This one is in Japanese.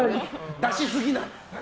出しすぎない！